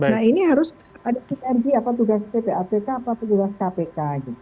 nah ini harus ada prg atau tugas ppatk atau tugas kpk